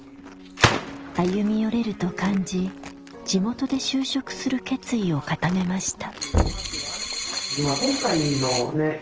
歩み寄れると感じ地元で就職する決意を固めました。